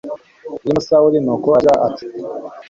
barimo Sawuli Nuko aterura agira ati